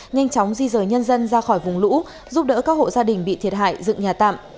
nhanh chóng di rời nhân dân ra khỏi vùng lũ giúp đỡ các hộ gia đình bị thiệt hại dựng nhà tạm